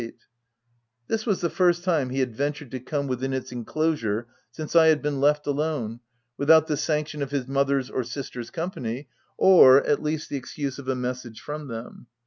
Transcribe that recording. Q 3 346 THE TENANT This was the first time he had ventured to come within its inclosure since I had been left alone, without the sanction of his mother's or sister's company, or at least the excuse of a message from them.